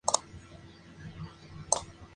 El aire en los escenarios incluso parece viciado.